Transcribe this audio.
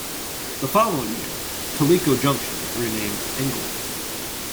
The following year, Tellico Junction was renamed Englewood.